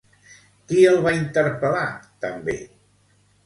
Qui el va interpel·lar, també?